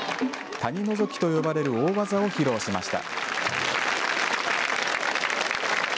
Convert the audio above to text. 谷のぞきと呼ばれる大技を披露しました。